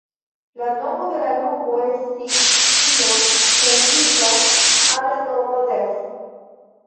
La nomo de la grupo estis, tiam, ŝanĝita al la nomo Death.